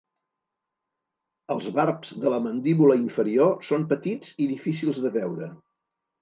Els barbs de la mandíbula inferior són petits i difícils de veure.